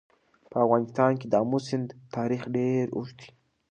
په افغانستان کې د آمو سیند تاریخ ډېر اوږد دی.